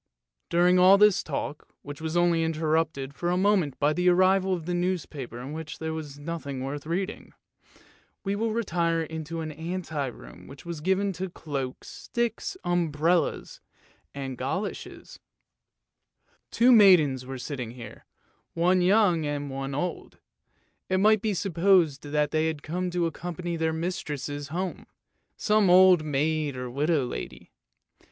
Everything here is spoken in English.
During all this talk, which was only interrupted for a moment by the arrival of the newspaper in which there was nothing worth reading, we will retire into the ante room which was given up to cloaks, sticks, umbrellas, and goloshes. 1 He died in 1513. 309 310 ANDERSEN'S FAIRY TALES Two maidens were sitting here, one young and one old; it might be supposed that they had come to accompany their mistresses home, some old maid or widow lady.